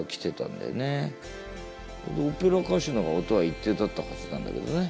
オペラ歌手のが音は一定だったはずなんだけどね。